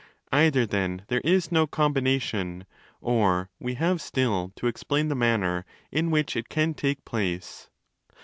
Either, then, there is no 'combination ', or we have still to explain the manner in which it can take place.